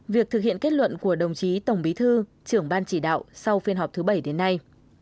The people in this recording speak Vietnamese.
việc thực hiện kết luận của đồng chí tổng bí thư trưởng ban chỉ đạo sau phiên họp thứ bảy đến nay